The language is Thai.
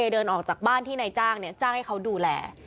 เดินออกจากบ้านที่นายจ้างจ้างให้เขาดูแล